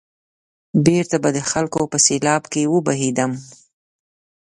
بېرته به د خلکو په سېلاب کې وبهېدم.